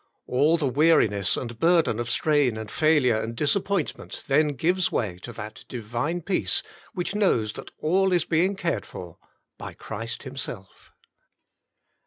All the weariness and burden of strain and failure and 88 The Inner Chamber disappointment, then gives way to that divine peace which knows that all is being cared for by Christ Himself.